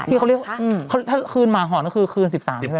ที่เขาเรียกคืนห่อนเขาเรียกคืน๑๓ใช่ไหมครับ